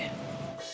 itu itu itu